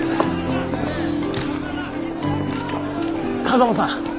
狭間さん！